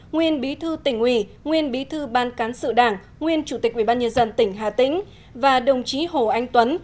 nguyên bí thư tỉnh ủy nguyên bí thư ban cán sự đảng nguyên chủ tịch ubnd tỉnh hà tĩnh và đồng chí hồ anh tuấn